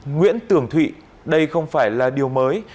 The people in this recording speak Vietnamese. nguyễn trường thụy đây không phải là điều mới